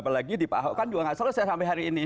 apalagi di pak ahok kan juga nggak selesai sampai hari ini